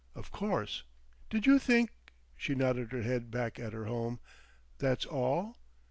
Of course. Did you think"—she nodded her head back at her home—"that's all?"